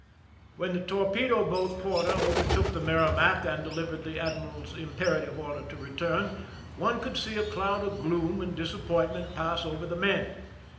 WHEN the torpedo boat Porter overtook tlie Merrimac and delivered the admiral's impera tive order to return, one could see a cloud of gloom and disappointment pass over the men.